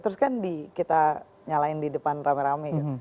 terus kan kita nyalain di depan rame rame gitu